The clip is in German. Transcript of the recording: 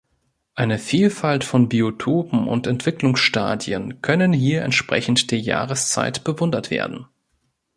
Eine Vielfalt von Biotopen und Entwicklungsstadien können hier entsprechend der Jahreszeit bewundert werden.